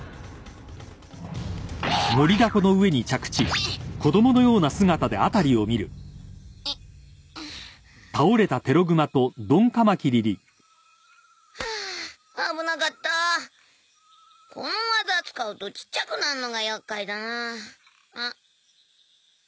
うにっんっハアー危なかったこの技使うとちっちゃくなんのが厄介だなあん？